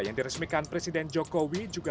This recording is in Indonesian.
yang diresmikan presiden jokowi juga